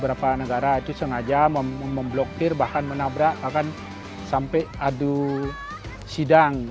beberapa negara sengaja memblokir bahan menabrak sampai adu sidang